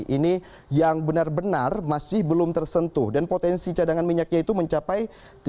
ini yang benar benar masih belum tersentuh dan potensi cadangan minyaknya itu mencapai